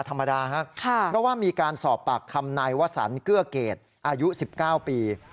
เพราะว่ามีการสอบปากคำนายวัฒนาเกื้อเกตอายุ๑๙ปี